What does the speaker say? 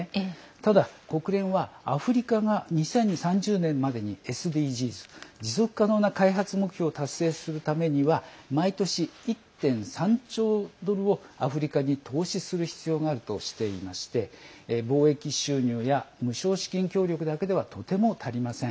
ただ、国連はアフリカが２０３０年までにＳＤＧｓ＝持続可能な開発目標を達成するためには毎年１．３兆ドルをアフリカに投資する必要があるとしていまして貿易収入や無償資金協力などではとても足りません。